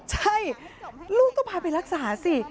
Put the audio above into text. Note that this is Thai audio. ใช่ลูกก็พาไปรักษาสิ